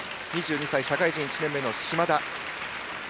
２２歳社会人１年目の嶋田。